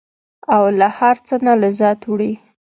او له هر څه نه لذت وړي.